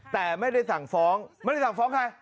แต่ไม่ได้สั่งฟ้อง